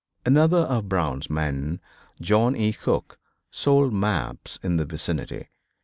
Another of Brown's men, John E. Cook, sold maps in the vicinity.